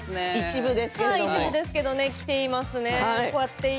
一部ですけど、きています。